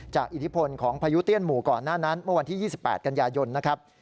อิทธิพลของพายุเตี้ยนหมู่ก่อนหน้านั้นเมื่อวันที่๒๘กันยายนนะครับ